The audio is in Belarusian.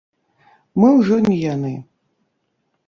Мы ўжо не яны.